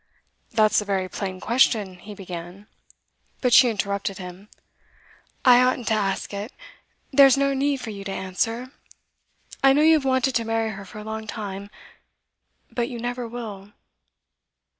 'That's a very plain question,' he began; but she interrupted him. 'I oughtn't to ask it. There's no need for you to answer. I know you have wanted to marry her for a long time. But you never will.